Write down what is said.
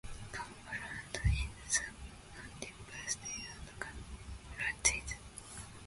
Cumberland is served only by state and county routes.